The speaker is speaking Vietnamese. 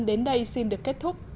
đến đây xin được kết thúc